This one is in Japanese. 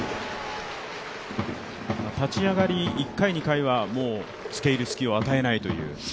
立ち上がり１回、２回はつけいる隙を与えないという。